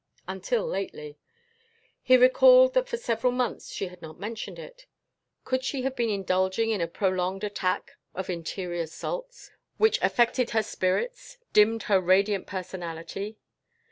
Until lately. He recalled that for several months she had not mentioned it. Could she have been indulging in a prolonged attack of interior sulks, which affected her spirits, dimmed her radiant personality?